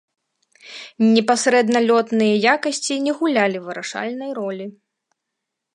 Непасрэдна лётныя якасці не гулялі вырашальнай ролі.